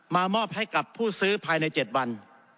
มอบให้กับผู้ซื้อภายใน๗วัน